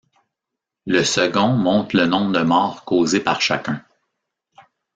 Le second montre le nombre de morts causés par chacun.